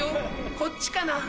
こっちかな？